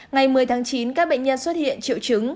ngày một mươi tháng chín các bệnh nhân xuất hiện triệu chứng